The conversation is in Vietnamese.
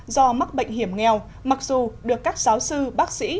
do mắc bệnh hiểm nghèo mặc dù được các giáo sư bác sĩ